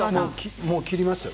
もう切りましたよ。